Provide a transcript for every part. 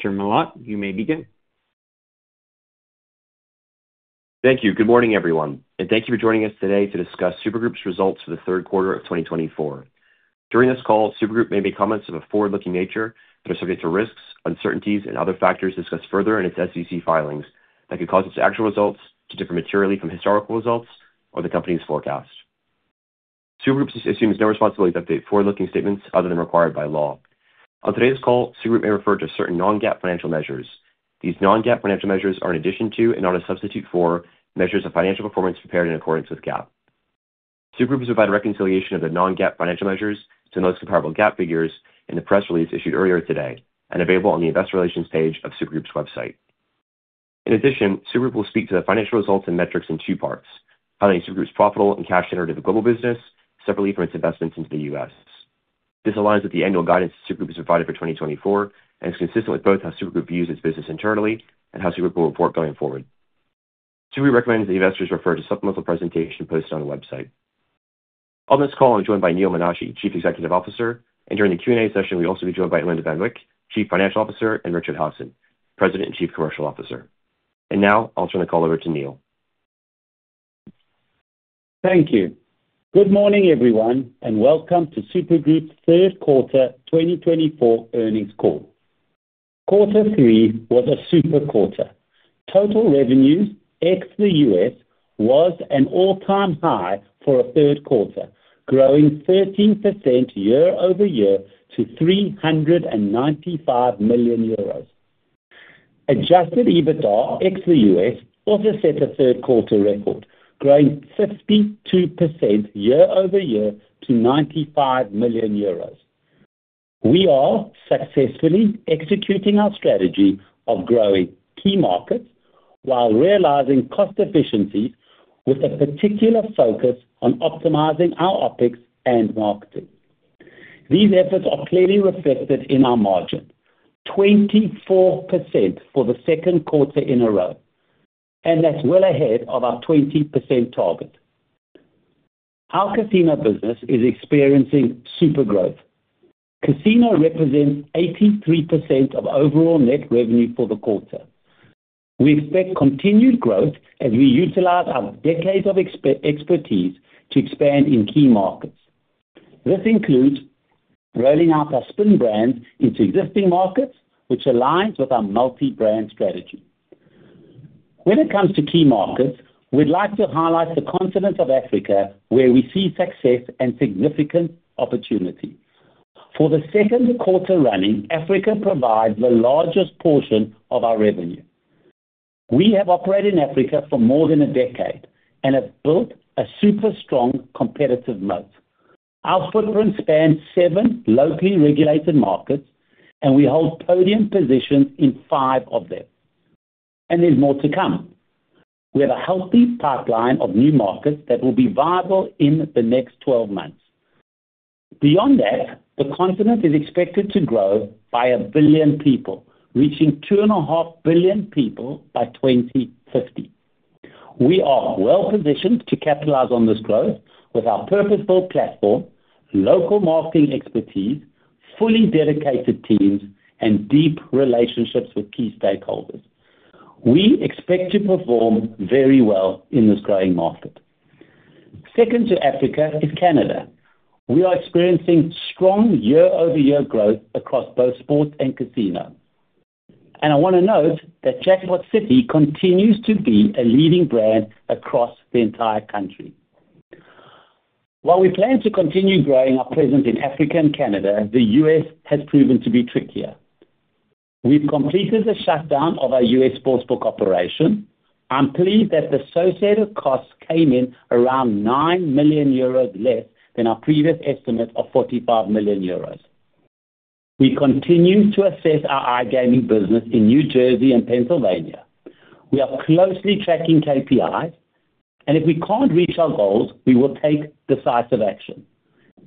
Mr. Malat, you may begin. Thank you. Good morning, everyone, and thank you for joining us today to discuss Super Group's results for the third quarter of 2024. During this call, Super Group may make comments of a forward-looking nature that are subject to risks, uncertainties, and other factors discussed further in its SEC filings that could cause its actual results to differ materially from historical results or the company's forecast. Super Group assumes no responsibility to update forward-looking statements other than required by law. On today's call, Super Group may refer to certain non-GAAP financial measures. These non-GAAP financial measures are an addition to and are a substitute for measures of financial performance prepared in accordance with GAAP. Super Group has provided reconciliation of the non-GAAP financial measures to the most comparable GAAP figures in the press release issued earlier today and available on the Investor Relations page of Super Group's website. In addition, Super Group will speak to the financial results and metrics in two parts: how to make Super Group's profitable and cash-generative global business, separately from its investments into the U.S. This aligns with the annual guidance Super Group has provided for 2024 and is consistent with both how Super Group views its business internally and how Super Group will report going forward. Super Group recommends that investors refer to supplemental presentation posted on the website. On this call, I'm joined by Neal Menashe, Chief Executive Officer, and during the Q&A session, we'll also be joined by Alinda van Wyk, Chief Financial Officer, and Richard Hasson, President and Chief Commercial Officer, and now I'll turn the call over to Neal. Thank you. Good morning, everyone, and welcome to Super Group's third quarter 2024 earnings call. Quarter three was a super quarter. Total revenues ex the U.S. was an all-time high for a third quarter, growing 13% year-over-year to 395 million euros. Adjusted EBITDA ex the U.S. also set a third quarter record, growing 52% year-over-year to EUR 95 million. We are successfully executing our strategy of growing key markets while realizing cost efficiencies, with a particular focus on optimizing our OpEx and marketing. These efforts are clearly reflected in our margin: 24% for the second quarter in a row, and that's well ahead of our 20% target. Our casino business is experiencing super growth. Casino represents 83% of overall net revenue for the quarter. We expect continued growth as we utilize our decades of expertise to expand in key markets. This includes rolling out our Spin brands into existing markets, which aligns with our multi-brand strategy. When it comes to key markets, we'd like to highlight the continent of Africa, where we see success and significant opportunity. For the second quarter running, Africa provides the largest portion of our revenue. We have operated in Africa for more than a decade and have built a super strong competitive moat. Our footprint spans seven locally regulated markets, and we hold podium positions in five of them. There's more to come. We have a healthy pipeline of new markets that will be viable in the next 12 months. Beyond that, the continent is expected to grow by a billion people, reaching 2.5 billion people by 2050. We are well positioned to capitalize on this growth with our purposeful platform, local marketing expertise, fully dedicated teams, and deep relationships with key stakeholders. We expect to perform very well in this growing market. Second to Africa is Canada. We are experiencing strong year-over-year growth across both sports and casino. And I want to note that Jackpot City continues to be a leading brand across the entire country. While we plan to continue growing our presence in Africa and Canada, the U.S. has proven to be trickier. We've completed the shutdown of our U.S. sportsbook operation. I'm pleased that the associated costs came in around 9 million euros less than our previous estimate of 45 million euros. We continue to assess our iGaming business in New Jersey and Pennsylvania. We are closely tracking KPIs, and if we can't reach our goals, we will take decisive action.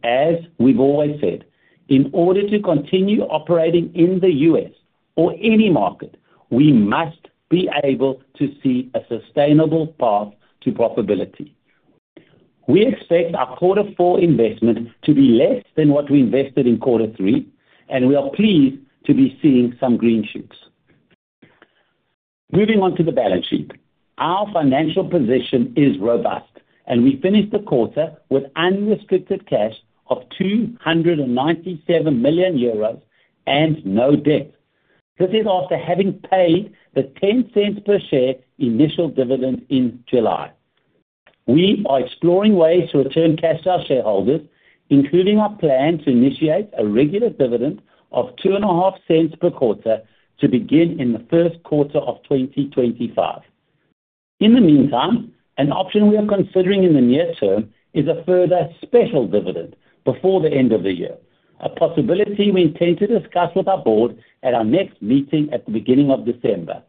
As we've always said, in order to continue operating in the U.S. or any market, we must be able to see a sustainable path to profitability. We expect our quarter four investment to be less than what we invested in quarter three, and we are pleased to be seeing some green shoots. Moving on to the balance sheet, our financial position is robust, and we finished the quarter with unrestricted cash of 297 million euros and no debt. This is after having paid the 0.10 per share initial dividend in July. We are exploring ways to return cash to our shareholders, including our plan to initiate a regular dividend of 0.025 per quarter to begin in the first quarter of 2025. In the meantime, an option we are considering in the near term is a further special dividend before the end of the year, a possibility we intend to discuss with our board at our next meeting at the beginning of December,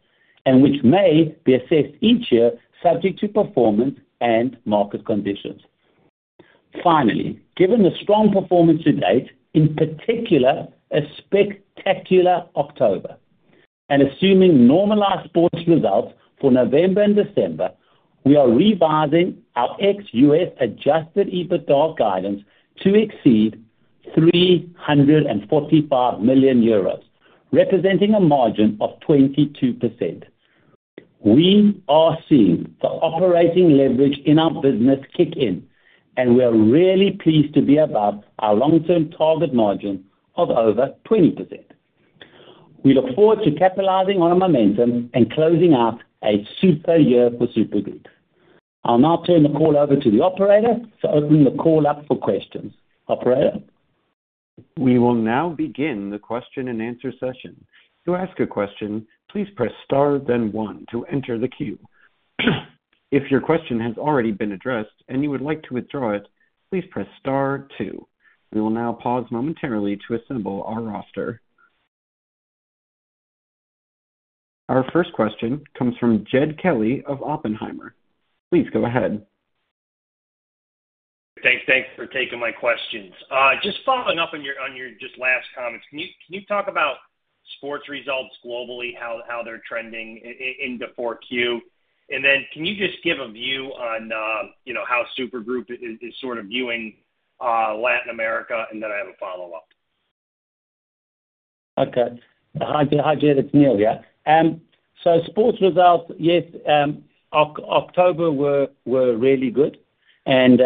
and which may be assessed each year, subject to performance and market conditions. Finally, given the strong performance to date, in particular a spectacular October, and assuming normalized sports results for November and December, we are revising our ex-U.S. Adjusted EBITDA guidance to exceed 345 million euros, representing a margin of 22%. We are seeing the operating leverage in our business kick in, and we are really pleased to be above our long-term target margin of over 20%. We look forward to capitalizing on our momentum and closing out a super year for Super Group. I'll now turn the call over to the operator for opening the call up for questions. Operator. We will now begin the question and answer session. To ask a question, please press star then one to enter the queue. If your question has already been addressed and you would like to withdraw it, please press star two. We will now pause momentarily to assemble our roster. Our first question comes from Jed Kelly of Oppenheimer. Please go ahead. Thanks, thanks for taking my questions. Just following up on your just last comments, can you talk about sports results globally, how they're trending in the fourth year? And then can you just give a view on how Super Group is sort of viewing Latin America? And then I have a follow-up. Okay. Hi, Jed. It's Neal, yeah. So sports results, yes, October were really good. And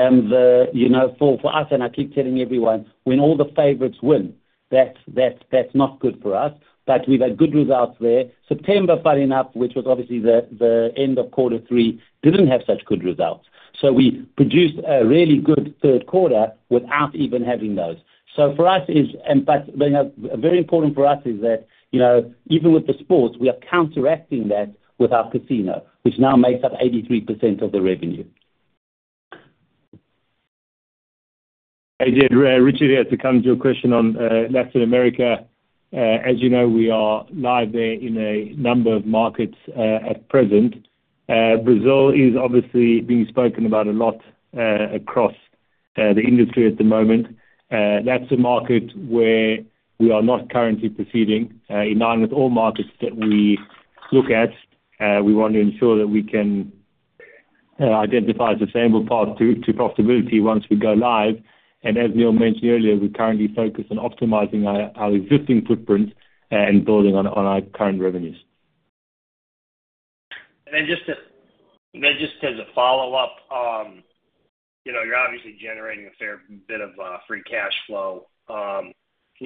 for us, and I keep telling everyone, when all the favorites win, that's not good for us. But we've had good results there. September, funny enough, which was obviously the end of quarter three, didn't have such good results. So we produced a really good third quarter without even having those. So for us, it's very important for us is that even with the sports, we are counteracting that with our casino, which now makes up 83% of the revenue. Hey, Jed. Richard here to come to your question on Latin America. As you know, we are live there in a number of markets at present. Brazil is obviously being spoken about a lot across the industry at the moment. That's a market where we are not currently proceeding in line with all markets that we look at. We want to ensure that we can identify a sustainable path to profitability once we go live. And as Neal mentioned earlier, we're currently focused on optimizing our existing footprint and building on our current revenues. Then just as a follow-up, you're obviously generating a fair bit of free cash flow. Can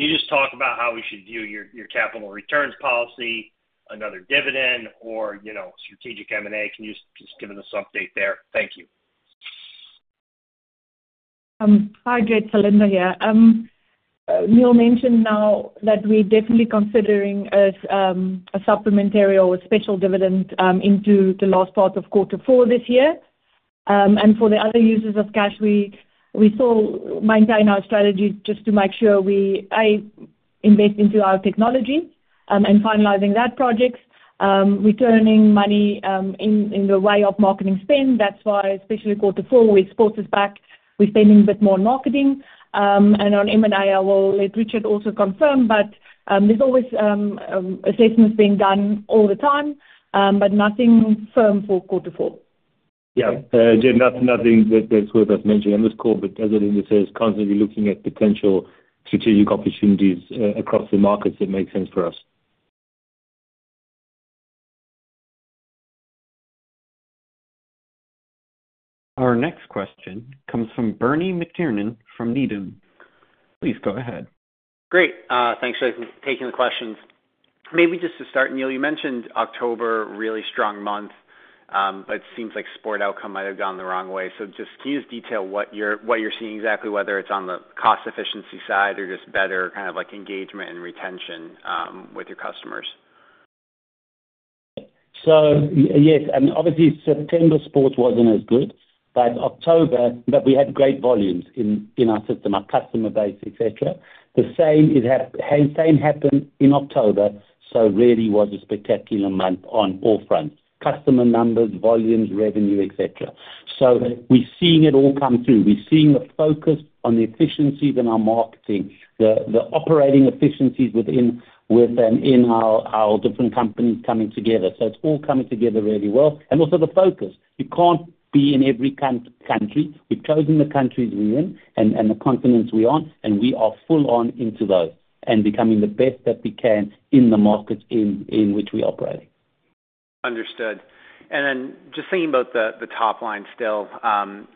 you just talk about how we should view your capital returns policy, another dividend, or strategic M&A? Can you just give us an update there? Thank you. Hi, Jed. It's Alinda here. Neal mentioned now that we're definitely considering a supplementary or a special dividend into the last part of quarter four this year. And for the other uses of cash, we still maintain our strategy just to make sure we invest into our technology and finalizing that project, returning money in the way of marketing spend. That's why especially quarter four, we expose us back. We're spending a bit more on marketing. And on M&A, I will let Richard also confirm, but there's always assessments being done all the time, but nothing firm for quarter four. Yeah. Jed, nothing that's worth us mentioning in this call, but as Alinda says, constantly looking at potential strategic opportunities across the markets that make sense for us. Our next question comes from Bernie McTernan from Needham. Please go ahead. Great. Thanks for taking the questions. Maybe just to start, Neal, you mentioned October really strong month, but it seems like sports outcome might have gone the wrong way. So just can you just detail what you're seeing exactly, whether it's on the cost efficiency side or just better kind of engagement and retention with your customers? So yes, obviously, September sports wasn't as good, but October, but we had great volumes in our system, our customer base, etc. The same happened in October, so really was a spectacular month on all fronts: customer numbers, volumes, revenue, etc. So we're seeing it all come through. We're seeing the focus on the efficiencies in our marketing, the operating efficiencies within and in our different companies coming together. So it's all coming together really well. And also the focus. You can't be in every country. We've chosen the countries we're in and the continents we're on, and we are full on into those and becoming the best that we can in the markets in which we operate. Understood, and then just thinking about the top line still,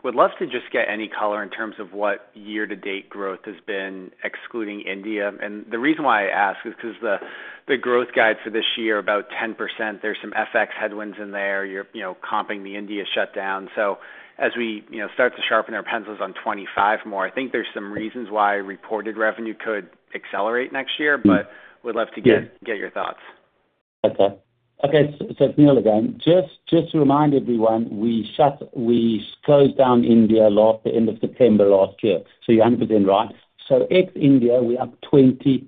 would love to just get any color in terms of what year-to-date growth has been, excluding India, and the reason why I ask is because the growth guide for this year is about 10%. There's some FX headwinds in there. You're comping the India shutdown, so as we start to sharpen our pencils on 2025, I think there's some reasons why reported revenue could accelerate next year, but would love to get your thoughts. Okay. So Neal again, just to remind everyone, we closed down India late end of September last year. So you're 100% right. So ex India, we're up 24%.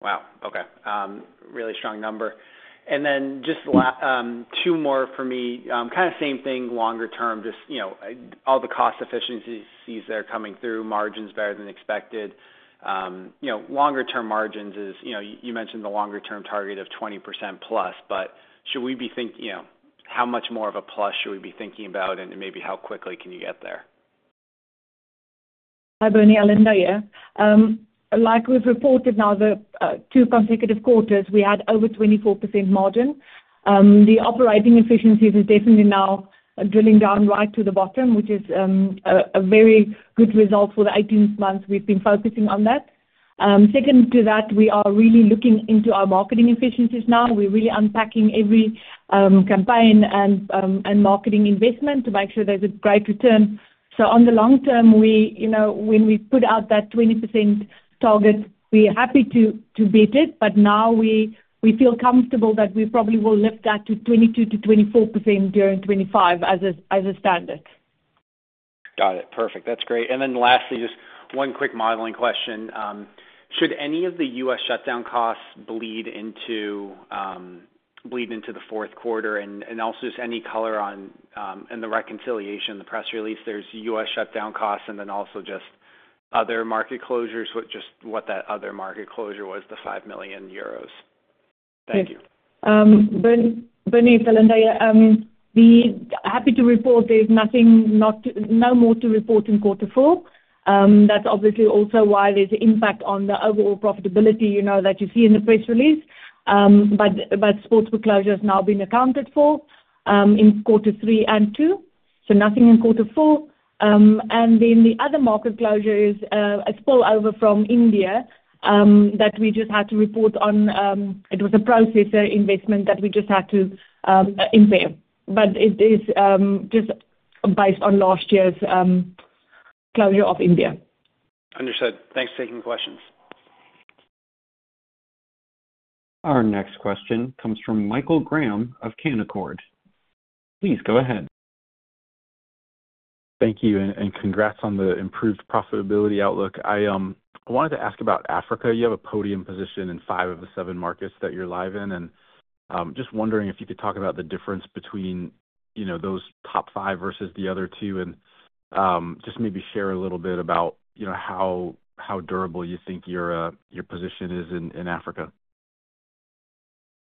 Wow. Okay. Really strong number, and then just two more for me. Kind of same thing, longer term, just all the cost efficiencies that are coming through, margins better than expected. Longer-term margins, as you mentioned the longer-term target of 20% plus, but should we be thinking how much more of a plus should we be thinking about, and maybe how quickly can you get there? Hi, Bernie. Alinda, yeah. Like we've reported now, the two consecutive quarters, we had over 24% margin. The operating efficiencies are definitely now drilling down right to the bottom, which is a very good result for the 18 months we've been focusing on that. Second to that, we are really looking into our marketing efficiencies now. We're really unpacking every campaign and marketing investment to make sure there's a great return. So on the long term, when we put out that 20% target, we're happy to beat it, but now we feel comfortable that we probably will lift that to 22%-24% during 2025 as a standard. Got it. Perfect. That's great. And then lastly, just one quick modeling question. Should any of the U.S. shutdown costs bleed into the fourth quarter? And also just any color on the reconciliation, the press release, there's U.S. shutdown costs, and then also just other market closures, what that other market closure was, the 5 million euros. Thank you. Bernie, it's Alinda. Happy to report there's no more to report in quarter four. That's obviously also why there's an impact on the overall profitability that you see in the press release, but sportsbook closures have now been accounted for in quarter three and two, so nothing in quarter four, and then the other market closure is a spillover from India that we just had to report on. It was a processor investment that we just had to impair, but it is just based on last year's closure of India. Understood. Thanks for taking the questions. Our next question comes from Michael Graham of Canaccord Genuity. Please go ahead. Thank you. And congrats on the improved profitability outlook. I wanted to ask about Africa. You have a podium position in five of the seven markets that you're live in. And just wondering if you could talk about the difference between those top five versus the other two and just maybe share a little bit about how durable you think your position is in Africa?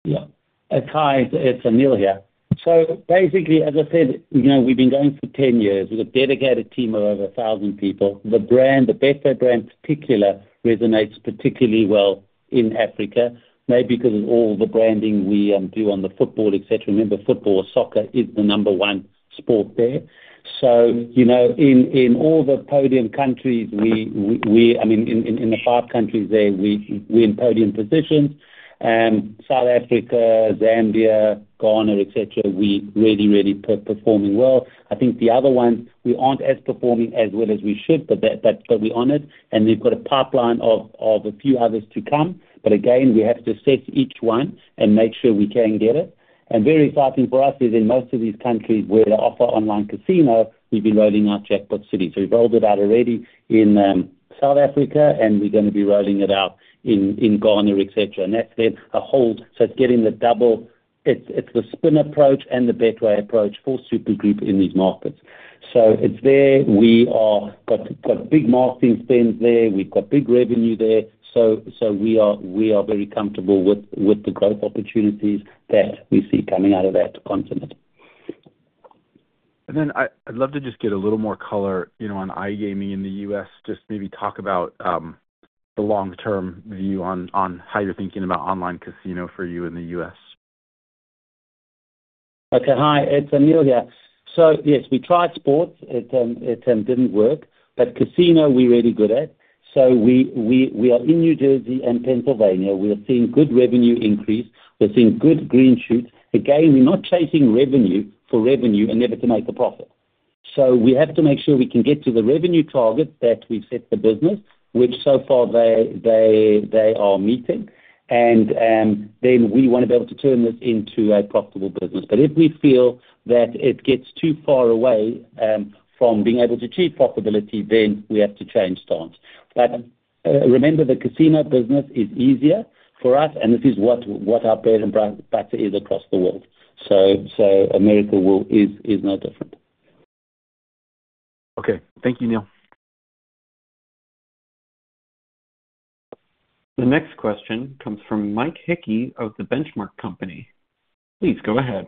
Yeah. Hi, it's Neal here. So basically, as I said, we've been going for 10 years with a dedicated team of over 1,000 people. The brand, the Betway brand in particular, resonates particularly well in Africa, maybe because of all the branding we do on the football, etc. Remember, football or soccer is the number one sport there. So in all the podium countries, I mean, in the five countries there, we're in podium positions. South Africa, Zambia, Ghana, etc., we're really, really performing well. I think the other ones, we aren't as performing as well as we should, but we're on it. And we've got a pipeline of a few others to come. But again, we have to assess each one and make sure we can get it. Very exciting for us is in most of these countries where they offer online casino. We've been rolling out Jackpot City. We've rolled it out already in South Africa, and we're going to be rolling it out in Ghana, etc. That's been a whole, so it's getting the double. It's the Spin approach and the Betway approach for Super Group in these markets. It's there. We've got big marketing spends there. We've got big revenue there. We are very comfortable with the growth opportunities that we see coming out of that continent. And then I'd love to just get a little more color on iGaming in the U.S., just maybe talk about the long-term view on how you're thinking about online casino for you in the U.S. Okay. Hi, it's Neal here, so yes, we tried sports. It didn't work, but casino, we're really good at, so we are in New Jersey and Pennsylvania. We're seeing good revenue increase. We're seeing good green shoots. Again, we're not chasing revenue for revenue in order to make a profit, so we have to make sure we can get to the revenue target that we've set for business, which so far they are meeting, and then we want to be able to turn this into a profitable business, but if we feel that it gets too far away from being able to achieve profitability, then we have to change stance, but remember, the casino business is easier for us, and this is what our bread and butter is across the world, so America is no different. Okay. Thank you, Neal. The next question comes from Mike Hickey of The Benchmark Company. Please go ahead.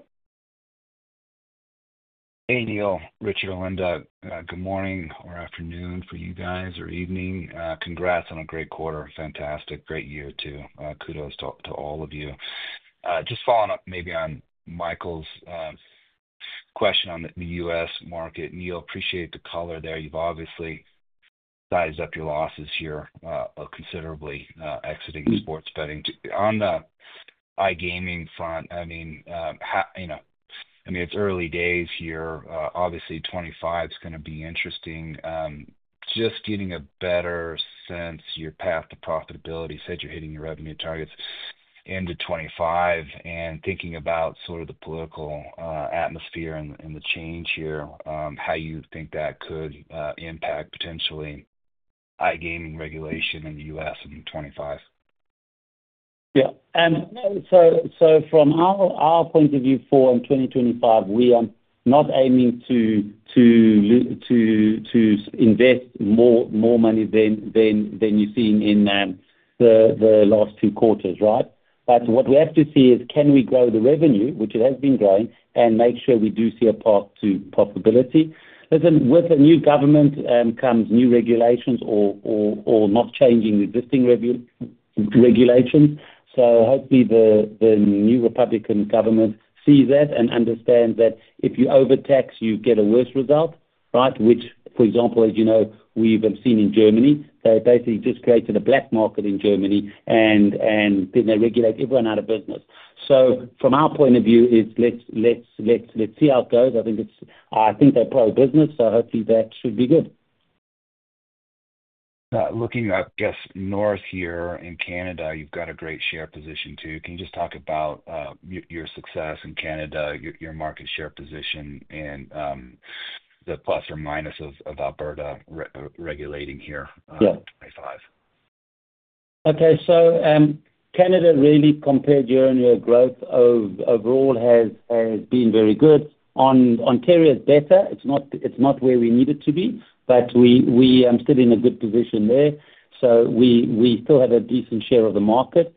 Hey, Neal. Richard, Alinda, good morning or afternoon for you guys or evening. Congrats on a great quarter. Fantastic. Great year too. Kudos to all of you. Just following up maybe on Michael's question on the U.S. market, Neal. Appreciate the color there. You've obviously sized up your losses here considerably, exiting sports betting. On the iGaming front, I mean, it's early days here. Obviously, 2025 is going to be interesting. Just getting a better sense of your path to profitability. You said you're hitting your revenue targets into 2025. And thinking about sort of the political atmosphere and the change here, how you think that could impact potentially iGaming regulation in the U.S. in 2025. Yeah. And so from our point of view for 2025, we are not aiming to invest more money than you've seen in the last two quarters, right? But what we have to see is, can we grow the revenue, which it has been growing, and make sure we do see a path to profitability? Listen, with a new government comes new regulations or not changing existing regulations. So hopefully, the new Republican government sees that and understands that if you overtax, you get a worse result, right? Which, for example, as you know, we've seen in Germany. They basically just created a black market in Germany, and then they regulate everyone out of business. So from our point of view, let's see how it goes. I think they're pro-business, so hopefully, that should be good. Looking, I guess, north here in Canada, you've got a great share position too. Can you just talk about your success in Canada, your market share position, and the plus or minus of Alberta regulating here in 2025? Okay. Canada really, compared during your growth overall, has been very good. Ontario is better. It's not where we need it to be, but we are still in a good position there. So we still have a decent share of the market.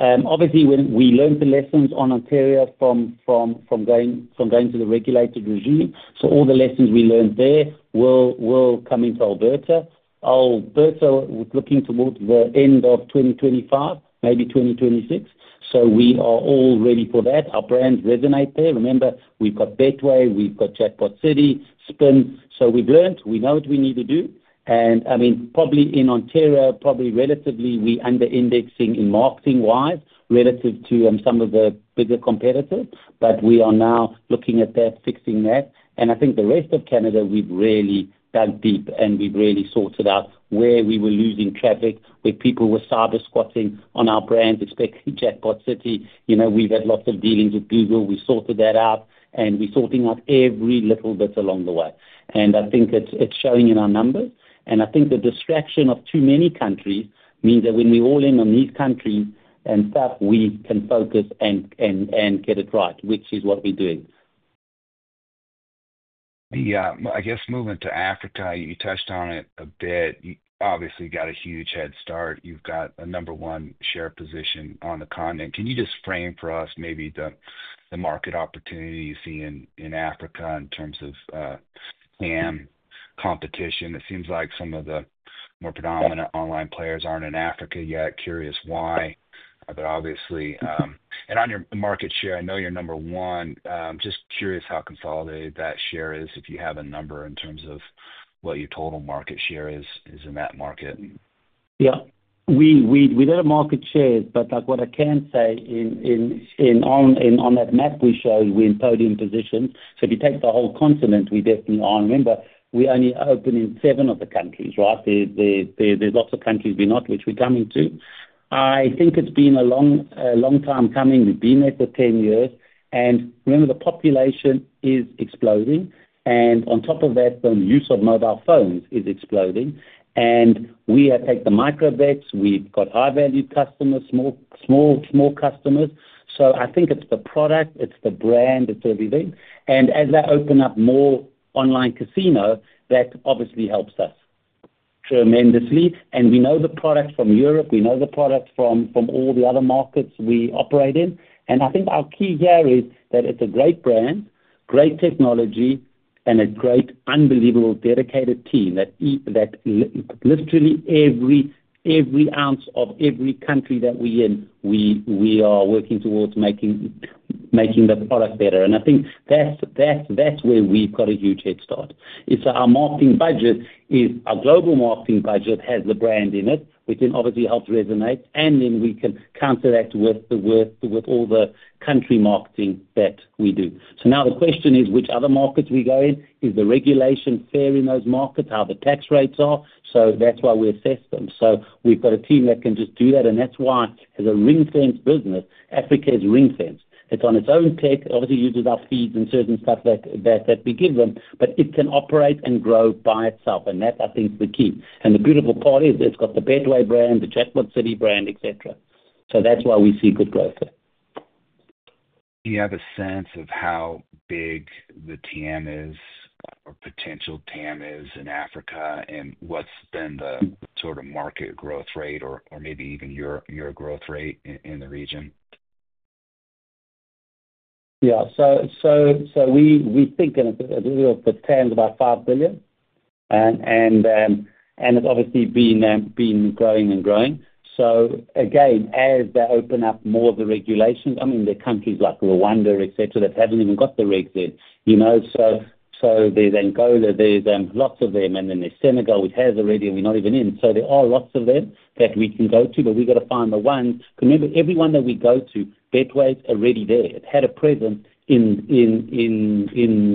Obviously, we learned the lessons on Ontario from going to the regulated regime. So all the lessons we learned there will come into Alberta. Alberta was looking towards the end of 2025, maybe 2026. So we are all ready for that. Our brands resonate there. Remember, we've got Betway, we've got Jackpot City, Spin. So we've learned. We know what we need to do. And I mean, probably in Ontario, probably relatively, we're underindexing in marketing-wise relative to some of the bigger competitors. But we are now looking at that, fixing that. And I think the rest of Canada, we've really dug deep, and we've really sorted out where we were losing traffic with people who were cybersquatting on our brands, especially Jackpot City. We've had lots of dealings with Google. We've sorted that out, and we're sorting out every little bit along the way. And I think it's showing in our numbers. And I think the distraction of too many countries means that when we all in on these countries and stuff, we can focus and get it right, which is what we're doing. I guess moving to Africa, you touched on it a bit. Obviously, you've got a huge head start. You've got a number one share position on the continent. Can you just frame for us maybe the market opportunity you see in Africa in terms of how much competition? It seems like some of the more predominant online players aren't in Africa yet. Curious why. But obviously, and on your market share, I know you're number one. Just curious how consolidated that share is, if you have a number in terms of what your total market share is in that market. Yeah. We don't have market shares, but what I can say on that map we show, we're in podium position. So if you take the whole continent, we definitely are. Remember, we're only open in seven of the countries, right? There's lots of countries we're not, which we're coming to. I think it's been a long time coming. We've been there for 10 years. And remember, the population is exploding. And on top of that, the use of mobile phones is exploding. And we take the micro bets. We've got high-value customers, small customers. So I think it's the product, it's the brand, it's everything. And as they open up more online casino, that obviously helps us tremendously. And we know the product from Europe. We know the product from all the other markets we operate in. And I think our key here is that it's a great brand, great technology, and a great, unbelievable dedicated team that literally every ounce of every country that we're in, we are working towards making the product better. And I think that's where we've got a huge head start. It's that our marketing budget, our global marketing budget has the brand in it, which then obviously helps resonate. And then we can counter that with all the country marketing that we do. So now the question is, which other markets we go in? Is the regulation fair in those markets? How the tax rates are? So that's why we assess them. So we've got a team that can just do that. And that's why, as a ring-fenced business, Africa is ring-fenced. It's on its own tech. Obviously, it uses our fees and certain stuff that we give them, but it can operate and grow by itself. And that, I think, is the key. And the beautiful part is it's got the Betway brand, the Jackpot City brand, etc. So that's why we see good growth there. Do you have a sense of how big the TAM is or potential TAM is in Africa and what's been the sort of market growth rate or maybe even your growth rate in the region? Yeah. So we think a little bit of the TAM is about 5 billion. And it's obviously been growing and growing. So again, as they open up more of the regulations, I mean, there are countries like Rwanda, etc., that haven't even got the regs yet. So there's Angola, there's lots of them. And then there's Senegal, which has already, and we're not even in. So there are lots of them that we can go to, but we've got to find the ones. Because remember, everyone that we go to, Betway's already there. It had a presence in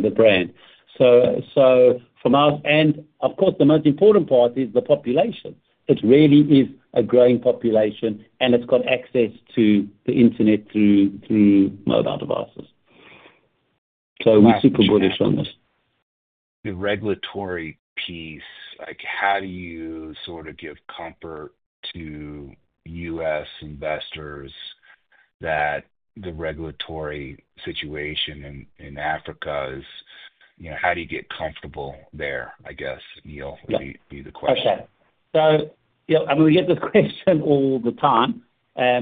the brand. So for us, and of course, the most important part is the population. It really is a growing population, and it's got access to the internet through mobile devices. So we're super bullish on this. The regulatory piece, how do you sort of give comfort to U.S. investors that the regulatory situation in Africa is how do you get comfortable there, I guess, Neal would be the question. Okay, so I mean, we get this question all the time.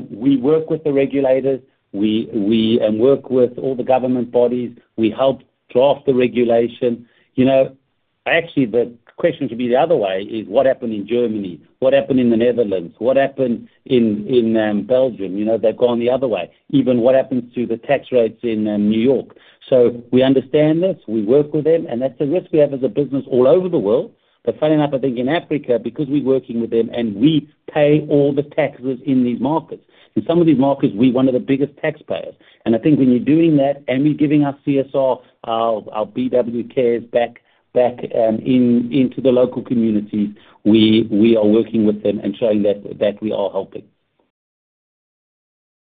We work with the regulators. We work with all the government bodies. We help draft the regulation. Actually, the question should be the other way is, what happened in Germany? What happened in the Netherlands? What happened in Belgium? They've gone the other way. Even what happens to the tax rates in New York? So we understand this. We work with them. And that's the risk we have as a business all over the world. But funny enough, I think in Africa, because we're working with them and we pay all the taxes in these markets, in some of these markets, we're one of the biggest taxpayers. And I think when you're doing that and we're giving our CSR, our BW Cares back into the local communities, we are working with them and showing that we are helping.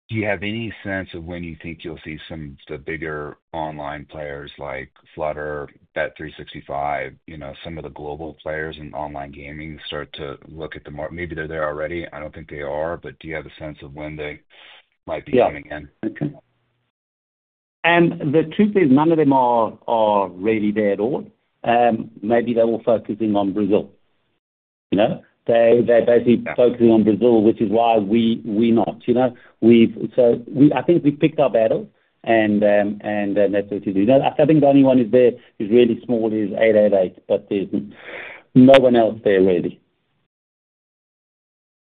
Do you have any sense of when you think you'll see some of the bigger online players like Flutter, Bet365, some of the global players in online gaming start to look at the market? Maybe they're there already. I don't think they are. But do you have a sense of when they might be coming in? Yeah. And the truth is, none of them are really there at all. Maybe they're all focusing on Brazil. They're basically focusing on Brazil, which is why we're not. So I think we've picked our battle, and that's what we're doing. I think the only one that's there is really small is 888, but there's no one else there really.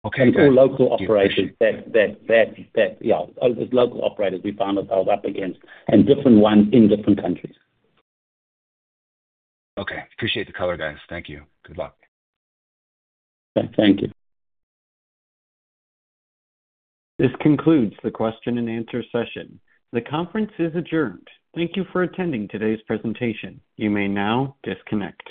It's all local operators. Yeah. It's local operators we've found ourselves up against and different ones in different countries. Okay. Appreciate the color, guys. Thank you. Good luck. Thank you. This concludes the question and answer session. The conference is adjourned. Thank you for attending today's presentation. You may now disconnect.